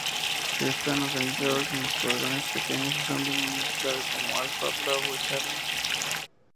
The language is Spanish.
Están organizados en escuadrones pequeños usando nombres clave como: Alpha, Bravo y Charlie.